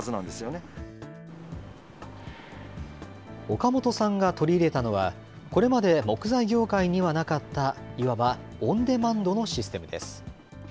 岡元さんが取り入れたのは、これまで木材業界にはなかった、いわばオンデマンドのシステムです。